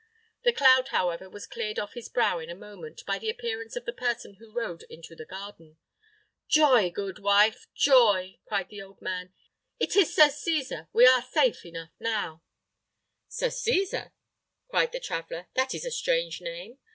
The cloud, however, was cleared off his brow in a moment, by the appearance of the person who rode into the garden. "Joy, good wife! joy!" cried the old man; "it is Sir Cesar! It is Sir Cesar! We are safe enough now!" "Sir Cesar!" cried the traveller; "that is a strange name!"